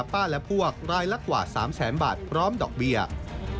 คุณป้าและพวกรายละกว่า๓๐๐๐๐๐บาทพร้อมดอกเบียร์